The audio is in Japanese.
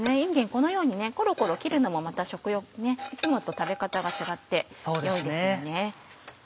このようにコロコロ切るのもまたいつもと食べ方が違って良いですよね。